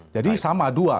jadi sama dua